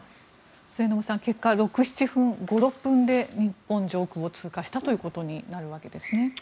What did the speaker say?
末延さん結果、５６分で日本上空を通過したということになるわけですね。